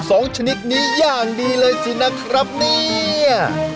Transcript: ชนิดนี้อย่างดีเลยสินะครับเนี่ย